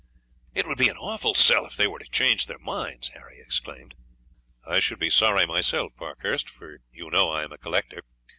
"It would be an awful sell if they were to change their minds," Harry exclaimed. "I should be sorry myself, Parkhurst, for you know I am a collector.